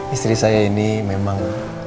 istri saya ini memang